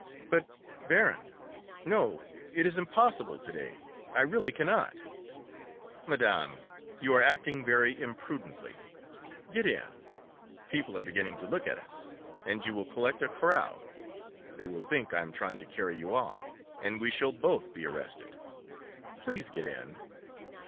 "But, Baron! no, it is impossible to day; I really cannot." "Madame, you are acting very imprudently; get in! people are beginning to look at us, and you will collect a crowd; they will think I am trying to carry you off, and we shall both be arrested; please get in!"